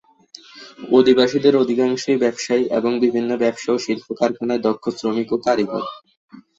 অধিবাসীদের অধিকাংশই ব্যবসায়ী এবং বিভিন্ন ব্যবসা ও শিল্প কারখানায় দক্ষ শ্রমিক ও কারিগর।